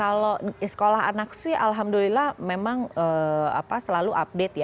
kalau sekolah anak sih alhamdulillah memang selalu update ya